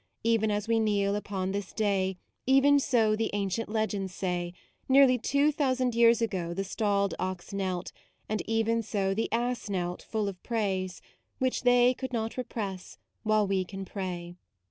Even as we kneel upon this day, Even so the ancient legends say, Nearly two thousand years ago The stalled ox knelt, and even so The ass knelt, full of praise, which they Could not repress, while we can pray.